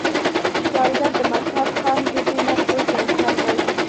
سوالګر د مذهب، قام، ژبې نه پورته انسان دی